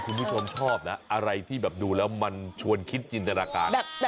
คุณผู้ชมชอบนะอะไรที่แบบดูแล้วมันชวนคิดจินตนาการ